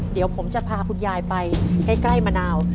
เดี๋ยวผมจะพาคุณยายไปใกล้มะนาว